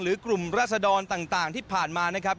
กลุ่มราศดรต่างที่ผ่านมานะครับ